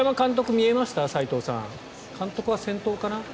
監督は先頭かな？